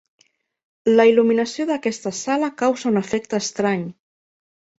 La il·luminació d'aquesta sala causa un efecte estrany.